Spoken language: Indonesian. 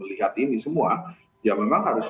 melihat itu semua dan kemudian tujuannya